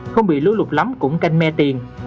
không bị lúa lục lắm cũng canh me tiền